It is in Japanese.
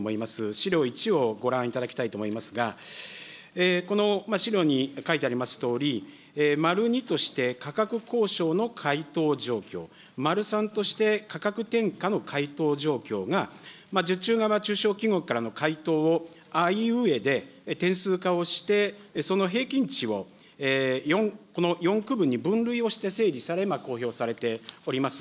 資料１をご覧いただきたいと思いますが、この資料に書いてありますとおり、まる２として、価格交渉の回答状況、まる３として価格転嫁の回答状況が、受注側中小企業からの回答をあ、い、う、えで点数化をして、その平均値をこの４区分に分類して、整理され、今、公表されております。